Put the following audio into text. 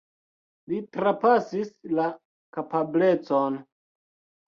Li trapasis la kapablecon.